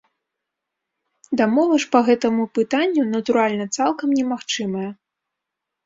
Дамова ж па гэтаму пытанню, натуральна, цалкам немагчымая.